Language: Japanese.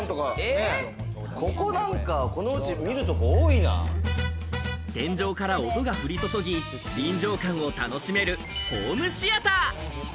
ここなんか、このうち見ると天井から音が降り注ぎ、臨場感を楽しめるホームシアター。